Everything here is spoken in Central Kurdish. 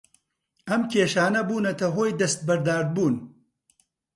ئەم کێشانە بوونەتە هۆی دەستبەرداربوون